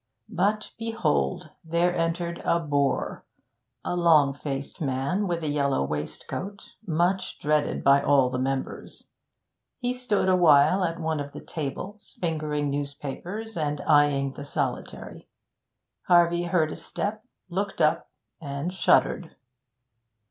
But behold, there entered a bore, a long faced man with a yellow waistcoat, much dreaded by all the members; he stood a while at one of the tables, fingering newspapers and eyeing the solitary. Harvey heard a step, looked up, and shuddered.